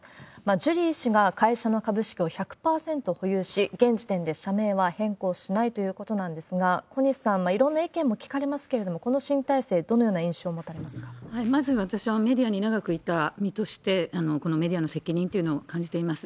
ジュリー氏が会社の株式を１００％保有し、現時点で社名は変更しないということなんですが、小西さん、いろんな意見も聞かれますけれども、この新体制、まず私は、メディアに長くいた身として、このメディアの責任というのを感じています。